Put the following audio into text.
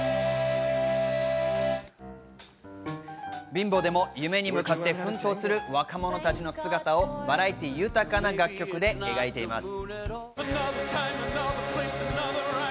貧乏でも夢に向かって奮闘する若者たちの姿をバラエティー豊かな楽曲で描いています。